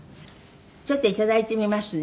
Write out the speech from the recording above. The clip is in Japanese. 「ちょっと頂いてみますね。